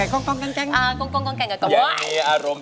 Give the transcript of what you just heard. ก้ายกล้อง